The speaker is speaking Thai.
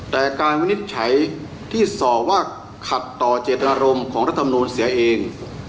แต่การวินิจฉัยที่ส่อว่าขัดต่อเจตนารมณ์ของรัฐมนูลเสียเอง